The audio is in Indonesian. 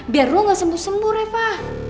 biar lo gak sembuh sembuh repa